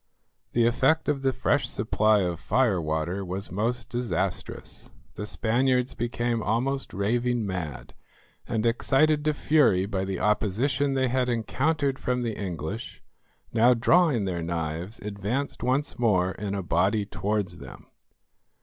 The effect of the fresh supply of fire water was most disastrous. The Spaniards became almost raving mad, and, excited to fury by the opposition they had encountered from the English, now drawing their knives, advanced once more in a body towards them.